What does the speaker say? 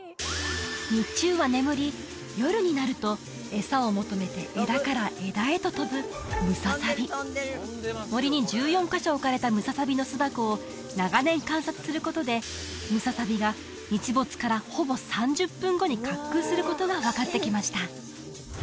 日中は眠り夜になると餌を求めて枝から枝へと飛ぶムササビ森に１４カ所置かれたムササビの巣箱を長年観察することでムササビが日没からほぼ３０分後に滑空することが分かってきました